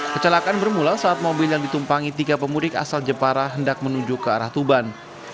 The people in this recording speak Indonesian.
kecelakaan bermula saat mobil yang ditumpangi tiga pemudik asal jepara hendak menuju ke arah tuban